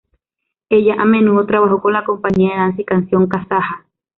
Ella a menudo trabajó con la Compañía de Danza y Canción Kazaja.